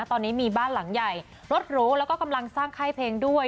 ตอนนี้มีบ้านหลังใหญ่รถหรูแล้วก็กำลังสร้างค่ายเพลงด้วย